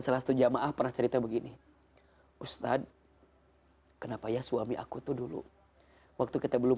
salah satu jamaah pernah cerita begini ustadz kenapa ya suami aku tuh dulu waktu kita belum